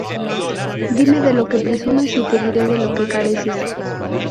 Dime de lo que presumes y te diré de lo que careces